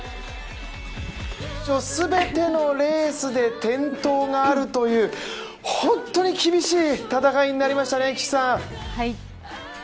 全てのレースで転倒があるという、本当に厳しい戦いになりましたね。